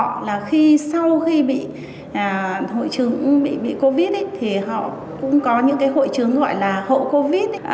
họ là khi sau khi bị hội chứng bị covid thì họ cũng có những cái hội chứng gọi là hậu covid